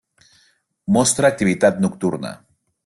Mostra activitat nocturna.